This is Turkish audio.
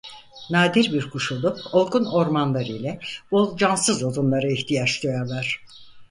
Nadir bir kuş olup olgun ormanlar ile bol cansız odunlara ihtiyaç duyarlar.